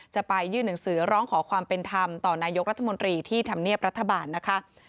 จะไปยื่นหนังสือร้องขอความเป็นธรรมต่อนายกรัฐมนตรีที่ทำเนียบรัฐบาลนะคะ